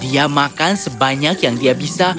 dia makan sebanyak yang dia bisa